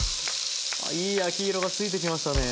あいい焼き色がついてきましたね。